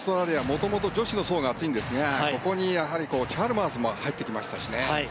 もともと女子の層が厚いんですがここにチャルマースも入ってきましたしね。